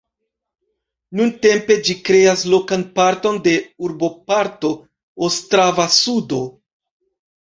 Nuntempe ĝi kreas lokan parton de urboparto Ostrava-Sudo.